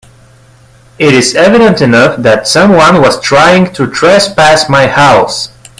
It is evident enough that someone was trying to trespass my house.